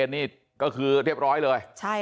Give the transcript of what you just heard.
นี่ก็คือเรียบร้อยเลย